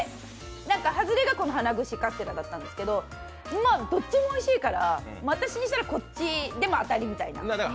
外れが、この花串カステラだったんですけど、どっちもおいしいから、私にしたらこっちでも当たりみたいな。